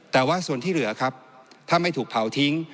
แต่ว่าส่วนที่เหลือครับถ้าไม่ถูกเผาทิ้ง